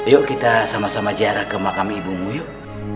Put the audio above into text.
yuk kita sama sama ziarah ke makam ibumu yuk